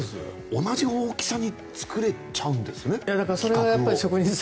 同じ大きさに作れちゃうんですね。